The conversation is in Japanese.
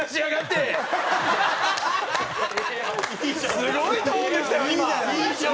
すごいトーンでしたよ